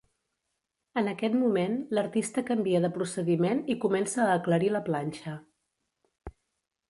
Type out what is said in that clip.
En aquest moment l'artista canvia de procediment i comença a aclarir la planxa.